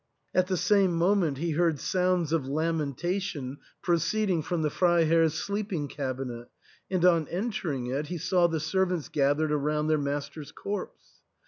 " At the same moment he heard sounds of lamentation proceeding from the Freiherr's sleeping cabinet, and on entering it he saw the sen'ants gathered around their master's corpse.